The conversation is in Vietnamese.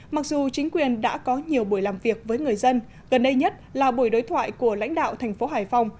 mặc dù chính quyền đã có nhiều buổi làm việc với người dân gần đây nhất là buổi đối thoại của lãnh đạo thành phố hải phòng